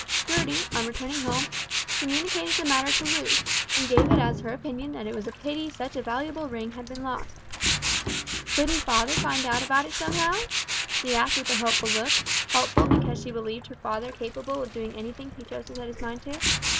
Gertie, on returning home, communicated the matter to Loo, and gave it as her opinion that it was a pity such a valuable ring had been lost. "Couldn't father find out about it somehow?" she asked with a hopeful look hopeful because she believed her father capable of doing anything he chose to set his mind to.